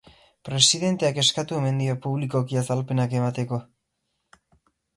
Presidenteak eskatu omen dio publikoki azalpenak emateko.